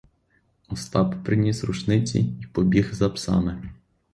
Остап приніс рушниці й побіг за псами.